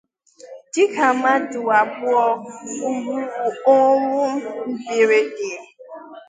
dịka mmadụ abụọ nwụrụ ọnwụ mberede